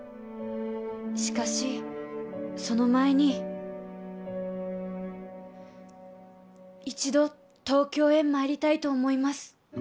しかしその前に一度東京へ参りたいと思います